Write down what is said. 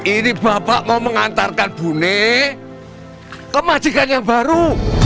ini bapak mau mengantarkan bune ke majikan yang baru